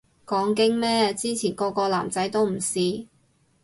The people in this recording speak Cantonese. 講經咩，之前個個男仔都唔試